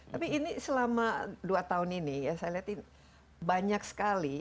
tapi ini selama dua tahun ini ya saya lihat ini banyak sekali